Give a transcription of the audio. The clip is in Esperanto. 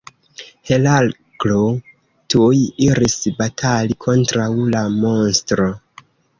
Heraklo tuj iris batali kontraŭ la monstro.